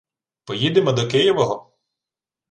— Поїдемо до Києвого?